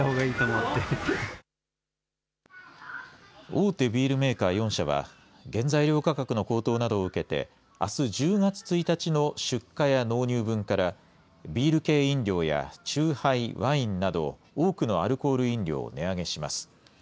大手ビールメーカー４社は、原材料価格の高騰などを受けて、あす１０月１日の出荷や納入分から、ビール系飲料や酎ハイ、ワインなど、多くのアルコール飲料を値上げします。